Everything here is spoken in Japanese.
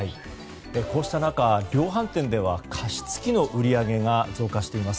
こうした中、量販店では加湿器の売り上げが増加しています。